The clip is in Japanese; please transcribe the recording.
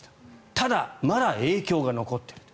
ただ、まだ影響が残っていると。